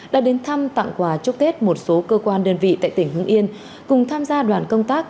đã đến thăm tặng quà chúc tết một số cơ quan đơn vị tại tỉnh hưng yên cùng tham gia đoàn công tác